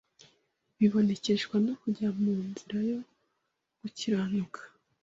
bibonekeshwa no kujya mu nzira yo gukiranuka